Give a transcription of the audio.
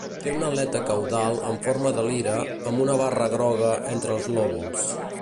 Té una aleta caudal en forma de lira amb una barra groga entre els lòbuls.